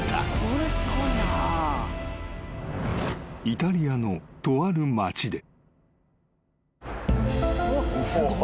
［イタリアのとある町で］